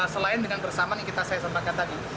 selain dengan bersamaan yang saya sampaikan tadi